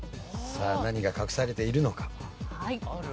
さあ何が隠されているのか？